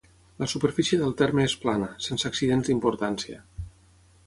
La superfície del terme és plana, sense accidents d'importància.